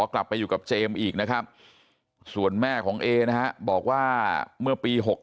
กลับไปอยู่กับเจมส์อีกนะครับส่วนแม่ของเอนะฮะบอกว่าเมื่อปี๖๕